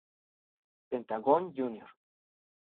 Pentagón Jr.